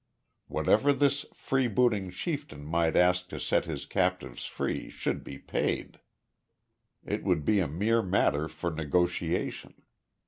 Whatever this freebooting chieftain might ask to set his captives free should be paid. It would be a mere matter for negotiation.